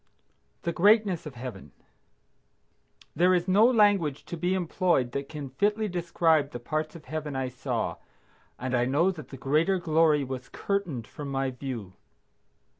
THE GREATNESS OF HEAVEN. There is no language to be employed that can fitly describe the parts of Heaven I saw, and I know that the greater glory was curtained from my view.